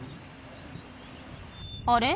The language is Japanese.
あれ？